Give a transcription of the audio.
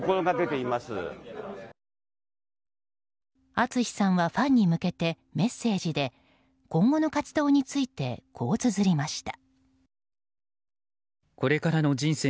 ＡＴＳＵＳＨＩさんはファンに向けて、メッセージで今後の活動についてこうつづりました。